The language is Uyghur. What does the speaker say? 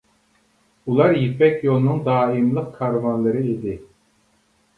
ئۇلار يىپەك يولىنىڭ دائىملىق كارۋانلىرى ئىدى.